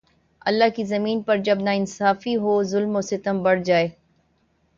اللہ کی زمین پر جب ناانصافی ہو ، ظلم و ستم بڑھ جائے